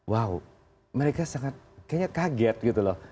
wow mereka sangat kayaknya kaget gitu loh